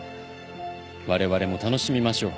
われわれも楽しみましょう。